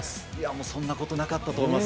もうそんなことなかったと思います。